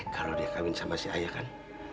kalau dia kawin sama si ayah kan